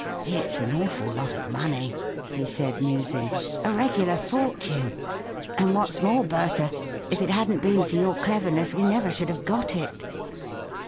" It's an awful lot of money !" he said, musing. " A regular fortune ! And what's more, Bertha, if it hadn't been for your cleverness we never should have got it!